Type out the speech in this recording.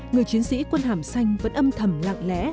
người chiến sĩ quân hàm xanh vẫn âm thầm lặng lẽ